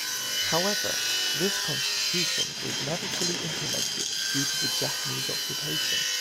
However, this constitution was never fully implemented due to the Japanese occupation.